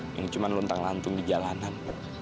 atau aku yang cuma lontang lantung di jalanan